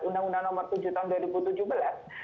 undang undang nomor tujuh tahun dua ribu tujuh belas